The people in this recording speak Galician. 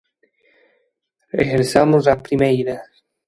Regresamos a primeira.